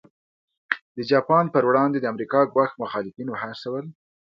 د جاپان پر وړاندې د امریکا ګواښ مخالفین وهڅول.